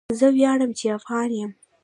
زه ویاړم چی افغان يم